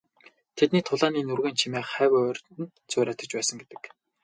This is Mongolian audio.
Тэдний тулааны нүргээн чимээ хавь ойрд нь цуурайтаж байсан гэдэг.